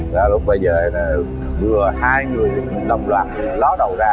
đó lúc bây giờ là vừa hai người đông loạt ló đầu ra